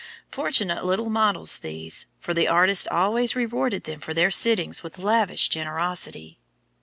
Fortunate little models, these; for the artist always rewarded them for their sittings with lavish generosity.